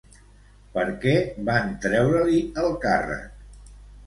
Per què van treure-li el càrrec?